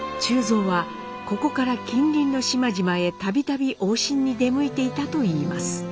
忠蔵はここから近隣の島々へ度々往診に出向いていたといいます。